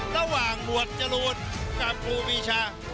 ระหว่างหวัดจรวนกับครูปีชา